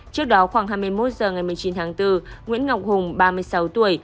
trước đó khoảng hai mươi một h ngày một mươi chín tháng bốn nguyễn ngọc hùng ba mươi sáu tuổi